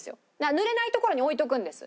ぬれない所に置いておくんです。